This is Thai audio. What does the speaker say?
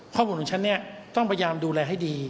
ข้อมูลของฉันเนี่ยต้องพยายามดูแลให้ดี